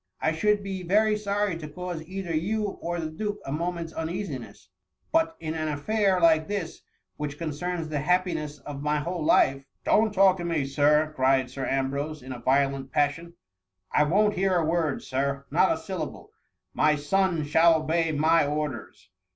I should be very sorry to cause either you or the duke a moment's uneasiness. But in an affair like this, which concerns the happiness of my whole life. —^Don't talk to me. Sir," cried Sir Ambrose, in a violent passion, I won't here a word. Sir — not a syllable: m^ son shall obey my orders.